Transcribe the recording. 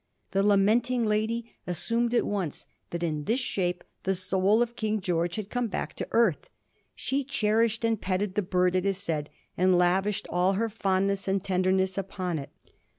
The lamenting lady assumed at once that in this shape the soul of King Creorge had come back to earth. She cherished and petted the bird, it is said, and lavished all fondness and tenderness upon it.